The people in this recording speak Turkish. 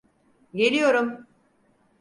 Geliyorum!